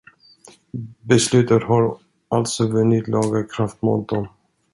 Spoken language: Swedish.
Beslutet har alltså vunnit laga kraft mot dem.